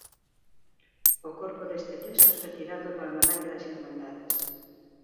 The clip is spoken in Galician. O corpo deste texto está tirado do Almanaque das Irmandades.